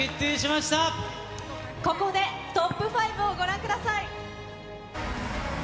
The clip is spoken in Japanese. ここで、トップ５をご覧ください。